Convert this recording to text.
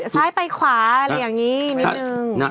ซ้ายไปขวาหรือยังงี้นิดนึง